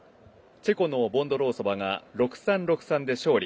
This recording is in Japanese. チェコのボンドロウソバが６−３、６−３で勝利。